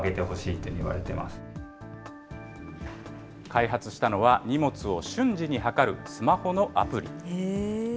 開発したのは、荷物を瞬時に測るスマホのアプリ。